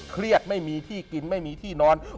เครียดไม่มีที่กินไม่มีที่นอน